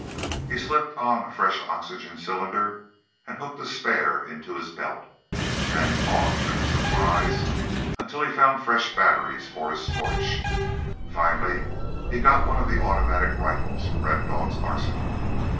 He slipped on a fresh oxygen cylinder, and hooked a spare into his belt, then pawed through the supplies until he found fresh batteries for his torch. Finally he got one of the automatic rifles from Red Dog's arsenal.